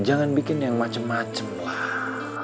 jangan bikin yang macem macem lah